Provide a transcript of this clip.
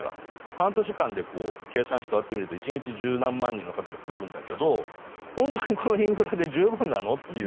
半年間で計算してみると１日１０何万人が来るんだけど本当にこのインフラで十分なのっていう。